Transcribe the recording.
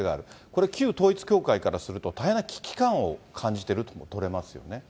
これ、旧統一教会からすると、大変な危機感を感じてるというふうにも取れますよね？